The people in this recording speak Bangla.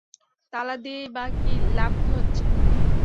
তালা দিয়েই-বা লাভ কী হচ্ছে?